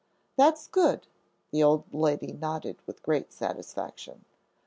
"That's good," the old lady nodded with great satisfaction.